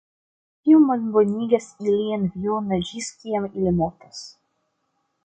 Tio malbonigas ilian vivon ĝis kiam ili mortas.